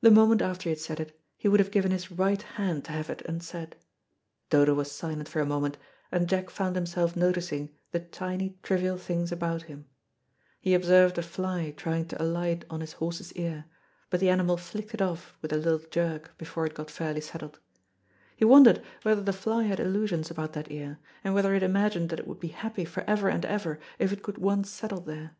The moment after he had said it, he would have given his right hand to have it unsaid. Dodo was silent for a moment, and Jack found himself noticing the tiny, trivial things about him. He observed a fly trying to alight oh his horse's ear, but the animal flicked it off with a little jerk, before it got fairly settled. He wondered whether the fly had illusions about that ear, and whether it imagined that it would be happy for ever and ever, if it could once settle there.